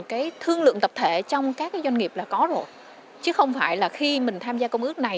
hiện nay là cái thương lượng tập thể trong các doanh nghiệp là có rồi chứ không phải là khi mình tham gia công ước này